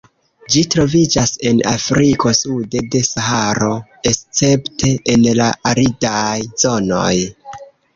Ĝi troviĝas en Afriko sude de Saharo, escepte en la aridaj zonoj.